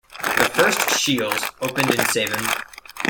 The first Scheels opened in Sabin.